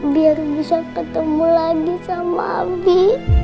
biar bisa ketemu lagi sama abi